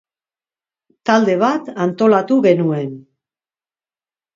Talde bat antolatu genuen.